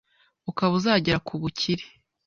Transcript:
ukaba uzagera ku bukire